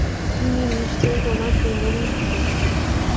ইনি নিশ্চয়ই তোমার সুন্দরী স্ত্রী।